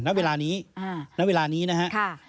นับเวลานี้นะฮะ